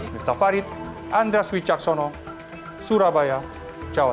mirta farid andras wijaksono surabaya jawa tenggara